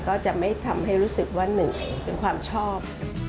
ก็จะไม่ทำให้รู้สึกว่าหนึ่งเป็นความชอบ